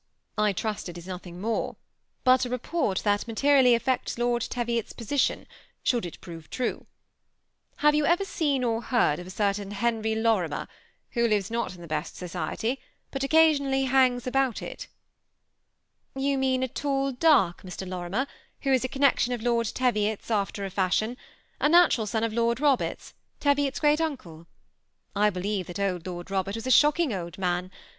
I trust it is nothing more ; bot a report that materially affects Lord Teviot's position, should it prove true. Have you ever se©ft or heard of a certain Henry Lorimer, who lives not in the best sociiety, but occasionally hangs about it ?"*^ You mean a tall, dark Mr. Lorimer, who is a con nection of Lord Teviofs after a fkBhion, a natural son "^ THE SEMI ATTACHBa) COUPLE, 289 of Lord Robert's, Teviot's great uncle, I believe that old Lord Robert was a shocking old man.